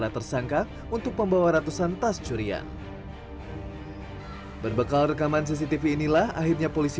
tersangka untuk membawa ratusan tas curian berbekal rekaman cctv inilah akhirnya polisi